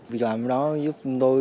việc làm đó giúp chúng tôi